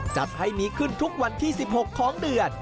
จัดให้มีขึ้นทุกวันที่๑๖ของเดือน